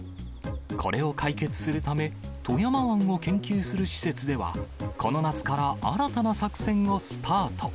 これを解決するため、富山湾を研究する施設では、この夏から新たな作戦をスタート。